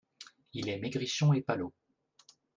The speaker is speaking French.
Il est maigrichon et palot.